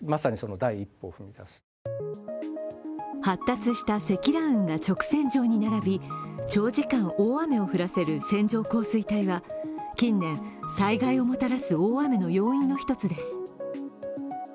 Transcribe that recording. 発達した積乱雲が直線状に並び長時間、大雨を降らせる線状降水帯は近年、災害をもたらす大雨の要因の一つです。